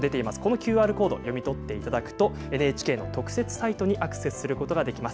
ＱＲコードを読み取っていただくとＮＨＫの特設サイトにアクセスすることができます。